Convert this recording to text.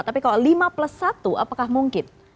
tapi kalau lima plus satu apakah mungkin